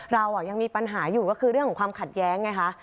เรายังมีปัญหาอยู่ก็คือเรื่องของความขัดแย้งไงคะ